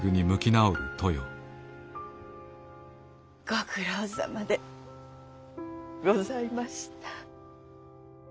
ご苦労さまでございました。